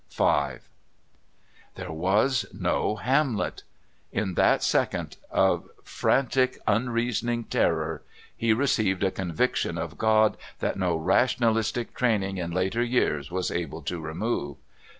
V There was no Hamlet! In that second of frantic unreasoning terror he received a conviction of God that no rationalistic training in later years was able to remove.